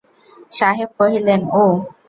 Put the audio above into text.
সাহেব কহিলেন, ও!